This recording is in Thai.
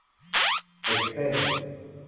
เด็กเส้น